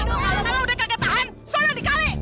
kalau udah kaget tahan sudah dikali